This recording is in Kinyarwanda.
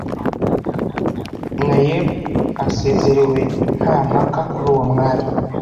naeb asezerewe nta mpaka kuri uwo mwanya